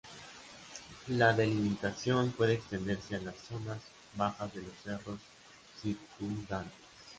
La delimitación puede extenderse hasta las zonas bajas de los cerros circundantes.